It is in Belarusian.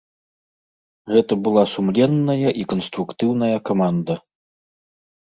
Гэта была сумленная і канструктыўная каманда.